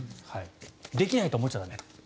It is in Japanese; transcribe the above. できないと思っちゃ駄目。